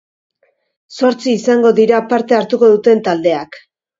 Zortzi izango dira parte hartuko duten taldeak.